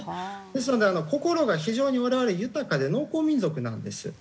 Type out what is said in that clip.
ですので心が非常に我々豊かで農耕民族なんです。